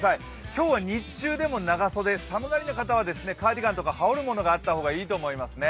今日は日中でも長袖、寒がりな方はカーディガンとか羽織るものがあった方がいいと思います。